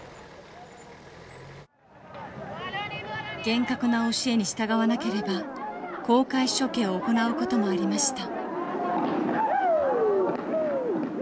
厳格な教えに従わなければ公開処刑を行うこともありました。